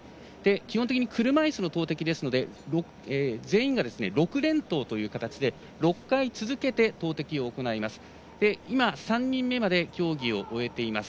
基本的に車いすでの投てきですので全員が６連投という形で６回、続けて投てきを行います。